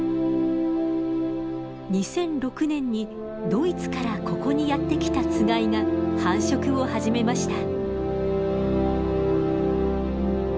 ２００６年にドイツからここにやって来たつがいが繁殖を始めました。